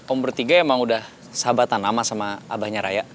umur tiga emang udah sahabatan sama abahnya raya